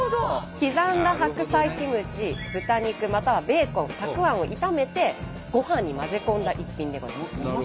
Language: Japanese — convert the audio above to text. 刻んだ白菜キムチ豚肉またはベーコンたくあんを炒めてごはんに混ぜ込んだ一品でございます。